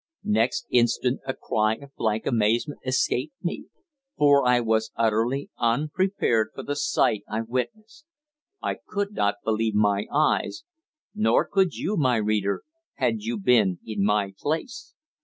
Next instant a cry of blank amazement escaped me, for I was utterly unprepared for the sight I witnessed. I could not believe my eyes; nor could you, my reader, had you been in my place.